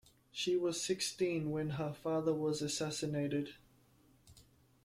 She was sixteen when her father was assassinated.